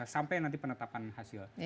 sampai nanti penetapan hasil